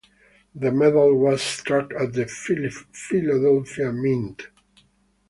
The medal was struck at the Philadelphia Mint.